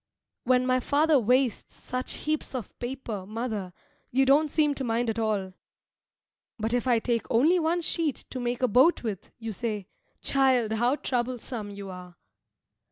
When my father wastes such heaps of paper, mother, you don't seem to mind at all. But if I take only one sheet to make a boat with, you say, "Child, how troublesome you are!"